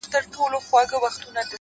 هغې بېگاه زما د غزل کتاب ته اور واچوه ـ